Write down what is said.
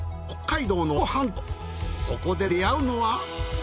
そこで出会うのは。